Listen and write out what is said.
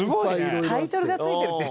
タイトルが付いてるって。